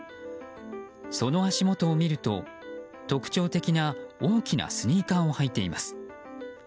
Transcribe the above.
その足元を見ると特徴的な大きなスニーカーを履いています。